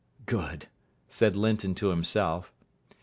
"Good!" said Linton to himself.